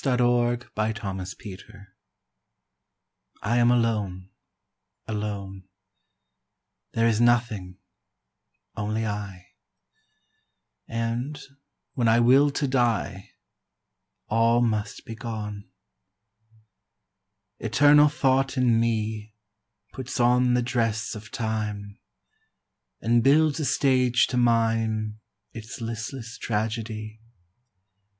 ROBIN FLOWER LA VIE CEREBRALE I am alone alone; There is nothing only I, And, when I will to die, All must be gone. Eternal thought in me Puts on the dress of time And builds a stage to mime Its listless tragedy.